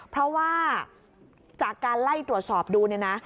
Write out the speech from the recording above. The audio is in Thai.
เพราะว่าจากการไล่ตรวจสอบดูเนี่ยนะ